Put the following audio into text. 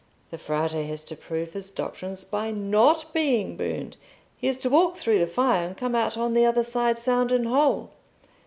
The Frate has to prove his doctrines by not being burned: he is to walk through the fire, and come out on the other side sound and whole."